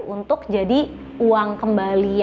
untuk menjadi uang kembali